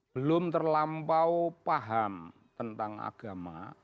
belum terlampau paham tentang agama